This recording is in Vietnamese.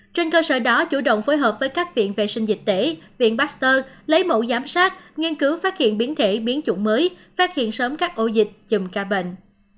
trên cơ sở đó chủ động phối hợp với các viện vệ sinh dịch tễ viện baxter lấy mẫu giám sát nghiên cứu phát hiện biến thể biến chủng mới phát hiện sớm các ổ dịch chùm ca bệnh